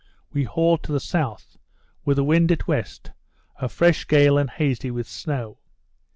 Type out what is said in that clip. we hauled to the south, with the wind at west, a fresh gale and hazy, with snow.